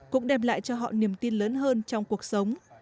cũng đem lại cho họ niềm tin lớn hơn trong cuộc sống